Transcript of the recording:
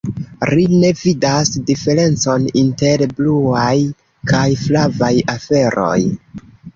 Ri ne vidas diferencon inter bluaj kaj flavaj aferoj.